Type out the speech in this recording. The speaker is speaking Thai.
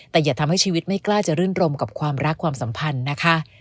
แต่อย่าทำให้ชีวิตไม่กล้าจะรื่นรมกับความรักความสัมพันธ์นะคะ